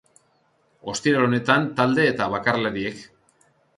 Ostiral honetan talde eta bakarlariek.